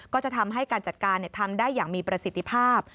ก็จะทำให้การจัดการทำได้อย่างมีประสิทธิภาพ